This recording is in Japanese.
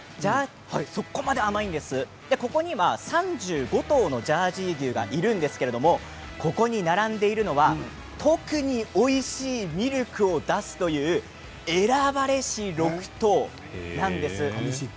ここには３５頭のジャージー牛がいるんですけれどもここに並んでいるのは特においしいミルクを出すという選ばれし６頭なんです。